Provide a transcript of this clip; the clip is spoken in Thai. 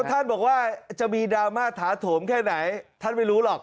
ท่านบอกว่าจะมีดราม่าถาโถมแค่ไหนท่านไม่รู้หรอก